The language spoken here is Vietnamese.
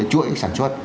chuỗi sản xuất